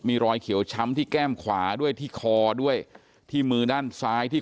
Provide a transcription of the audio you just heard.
มีรอยเขียวช้ำที่แก้มขวาด้วยที่คอด้วยที่มือด้านซ้ายที่